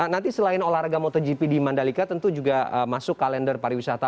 nanti selain olahraga motogp di mandalika tentu juga masuk kalender pariwisata